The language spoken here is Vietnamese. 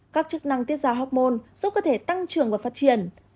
các chức năng tiết ra học môn giúp cơ thể tăng trưởng và phát triển